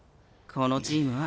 このチームは。